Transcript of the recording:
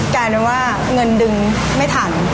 กลายเป็นว่าเงินดึงไม่ทัน